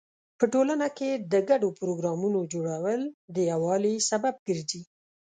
په ټولنه کې د ګډو پروګرامونو جوړول د یووالي سبب ګرځي.